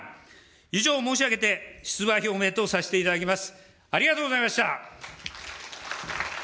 以上を申し上げて出馬表明とさせていただきます。